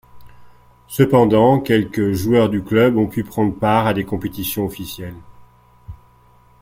Cependant, quelques joueurs du club ont pu prendre part à des compétitions officielles.